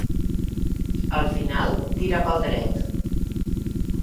Al final, tira pel dret.